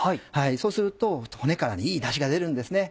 そうすると骨からいいダシが出るんですね。